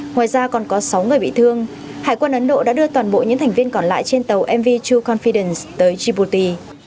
ngoài ra còn có sáu người bị thương hải quân ấn độ đã đưa toàn bộ những thành viên còn lại trên tàu mv true confidence tới djibouti